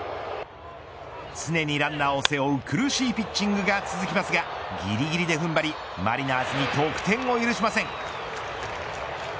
常にランナーを背負う苦しいピッチングが続きますがぎりぎりで踏ん張りマリナーズに得点を許しません。